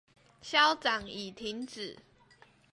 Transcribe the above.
消長已停止